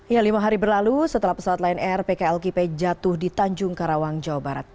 ya lima hari berlalu setelah pesawat lion air pklkp jatuh di tanjung karawang jawa barat